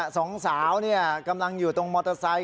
สองสาวกำลังอยู่ตรงมอเตอร์ไซค